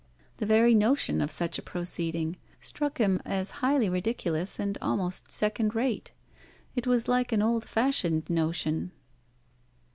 The very notion of such a proceeding struck him as highly ridiculous and almost second rate. It was like an old fashioned notion.